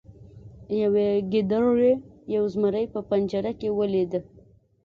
یوې ګیدړې یو زمری په پنجره کې ولید.